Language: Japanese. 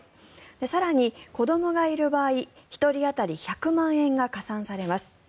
更に、子どもがいる場合１人当たり１００万円が加算されます。